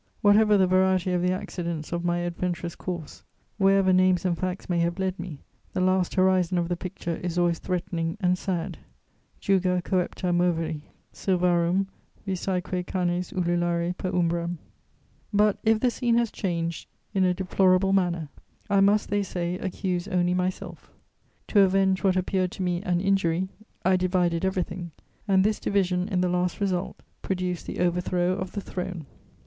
Whatever the variety of the accidents of my adventurous course, wherever names and facts may have led me, the last horizon of the picture is always threatening and sad. Juga cœpta moveri Silvarum, visæque canes ululare per umbram. But, if the scene has changed in a deplorable manner, I must, they say, accuse only myself: to avenge what appeared to me an injury, I divided everything, and this division in the last result produced the overthrow of the Throne.